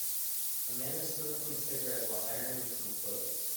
A man is smoking a cigarette while ironing some clothes.